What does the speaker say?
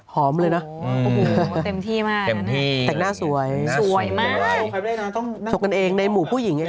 หอมเลยนะโหโหเต็มที่มากนะแต่หน้าสวยสวยมากโอ้โหครับเรนต้องจบกันเองในหมู่ผู้หญิงเอง